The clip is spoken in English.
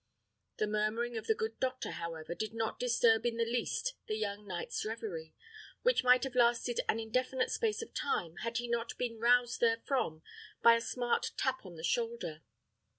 The murmuring of the good doctor, however, did not disturb in the least the young knight's reverie, which might have lasted an indefinite space of time, had he not been roused therefrom by a smart tap on the shoulder.